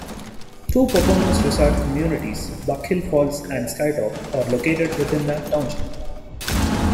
Two Poconos resort communities, Buck Hill Falls and Skytop, are located within the township.